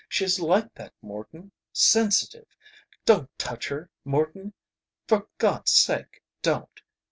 She's like that, Morton. Sensitive! Don't touch her, Morton. For God's sake, don't!